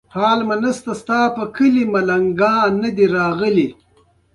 دی پسي پریږده